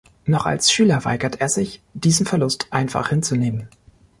Noch als Schüler weigert er sich, diesen Verlust einfach hinzunehmen.